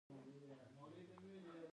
د دوی سیاست یوازې د اقتدار لوبه ده.